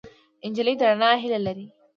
نجلۍ د رڼا هیلې لري.